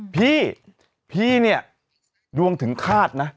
พี่พี่เนี่ยดวงถึงคาดนะ